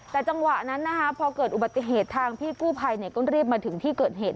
แต่จังหวะนั้นนะคะพอเกิดอุบัติเหตุทางพี่กู้ภัยก็รีบมาถึงที่เกิดเหตุ